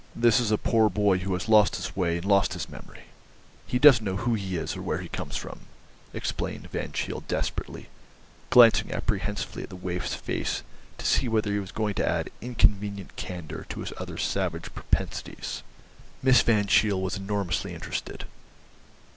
"This is a poor boy who has lost his way—and lost his memory. He doesn't know who he is or where he comes from," explained Van Cheele desperately, glancing apprehensively at the waif's face to see whether he was going to add inconvenient candour to his other savage propensities. Miss Van Cheele was enormously interested.